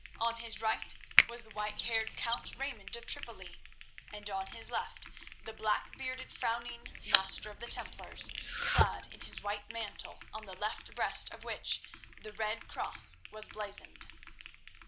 On his right was the white haired Count Raymond of Tripoli, and on his left the black bearded, frowning Master of the Templars, clad in his white mantle on the left breast of which the red cross was blazoned.